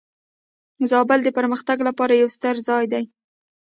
زابل د پرمختګ لپاره یو ستر ځای دی.